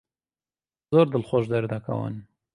زۆر دڵخۆش دەردەکەون.